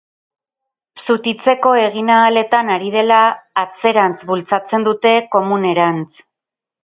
Zutitzeko eginahaletan ari dela, atzerantz bultzatzen dute, komunerantz.